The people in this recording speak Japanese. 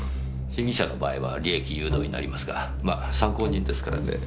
被疑者の場合は利益誘導になりますがま参考人ですからねぇ。